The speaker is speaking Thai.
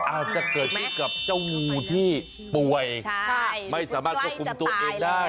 อาจจะเกิดขึ้นกับเจ้างูที่ป่วยไม่สามารถควบคุมตัวเองได้